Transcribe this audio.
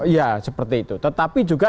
ya seperti itu tetapi juga